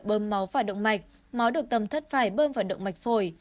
bơm máu vào động mạch máu được tầm thất phải bơm vào động mạch phổi